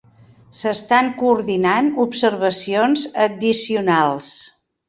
S'estan coordinant observacions addicionals.